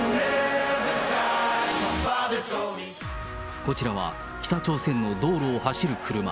こちらは北朝鮮の道路を走る車。